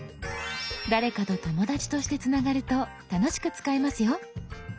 誰かと「友だち」としてつながると楽しく使えますよ。